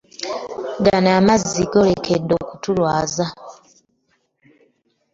Gano amazzi goolekedde okutulwaza.